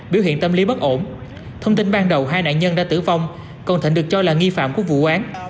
biểu hiện tâm lý bất ổn thông tin ban đầu hai nạn nhân đã tử vong còn thịnh được cho là nghi phạm của vụ án